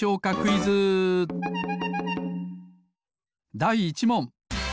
だい１もん！